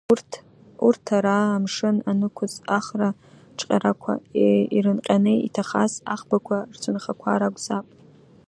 Урҭ ара амшын анықәыз ахра ҿҟьарақәа ирынҟьаны иҭахаз аӷбақәа рцәынхақәа ракәзаап.